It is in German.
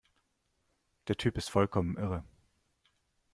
Der Typ ist vollkommen irre!